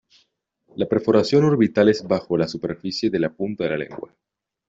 La perforación orbital es bajo la superficie de la punta de la lengua.